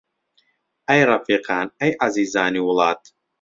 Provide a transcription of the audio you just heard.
ئەی ڕەفیقان، ئەی عەزیزانی وڵات!